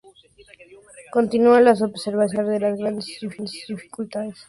Continua las observaciones a pesar de las graves dificultades materiales.